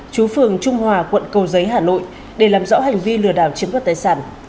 chú phường trung hòa quận cầu giấy hà nội để làm rõ hành vi lừa đảo chiếm đoạt tài sản